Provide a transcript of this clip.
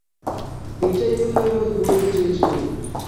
এটাই উনি আমাকে বলতে চেয়েছিলেন।